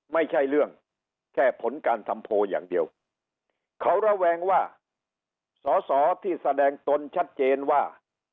ไม่ใช่เรื่องแค่ผลการทำโพลอย่างเดียวเขาระแวงว่าสอสอที่แสดงตนชัดเจนว่า